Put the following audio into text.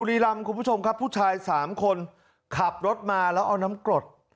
รีรำคุณผู้ชมครับผู้ชายสามคนขับรถมาแล้วเอาน้ำกรด